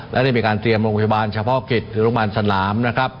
และเรียกมีการเตรียมโรงพยาบาลเฉพาะกฤษและโรงพยาบาลสนราม